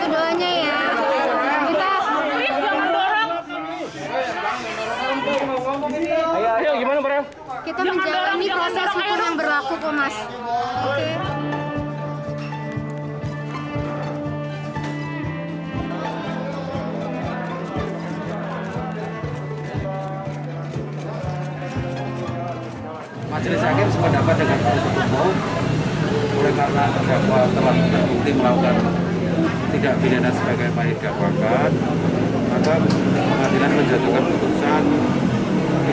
dan tidak perlu dijalani kecuali